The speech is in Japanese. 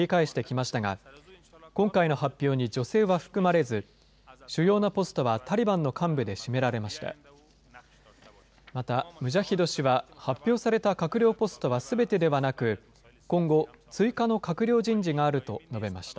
また、ムジャヒド氏は、発表された閣僚ポストはすべてではなく、今後、追加の閣僚人事があると述べました。